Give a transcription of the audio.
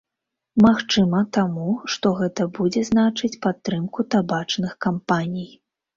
Магчыма, таму, што гэта будзе значыць падтрымку табачных кампаній.